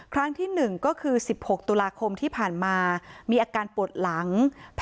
ครั้งที่๑ก็คือ๑๖ตุลาคมที่ผ่านมามีอาการปวดหลัง